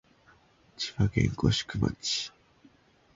千葉県御宿町